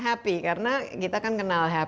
saya senang karena kita kan kenal